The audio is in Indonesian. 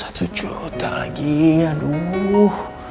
satu juta lagi aduh